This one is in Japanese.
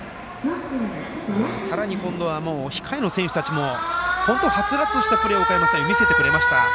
さらに今度は、控えの選手たちも本当、はつらつしたプレーを見せてくれました。